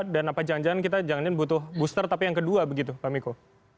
dan apa jangan jangan kita butuh booster tapi yang ke dua begitu pak miko